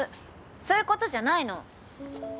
そういう事じゃないの。